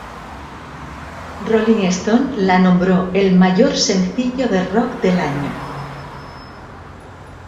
Rolling Stone la nombró "El mayor sencillo de Rock del año".